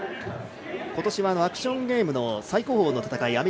ことしは、アクションゲームの最高峰の戦い